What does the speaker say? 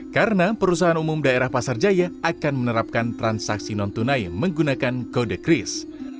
karena perusahaan umum daerah pasar jaya akan menerapkan transaksi non tunai menggunakan kode kris